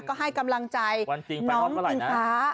ก็ให้กำลังใจน้องอิงฟ้า